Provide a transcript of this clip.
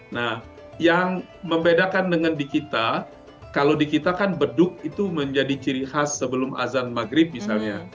nah yang membedakan dengan di kita kalau di kita kan beduk itu menjadi ciri khas sebelum azan maghrib misalnya